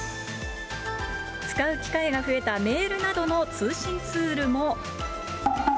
使う機会が増えたメールなどの通信ツールも。